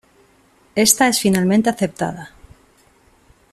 Esta es finalmente aceptada.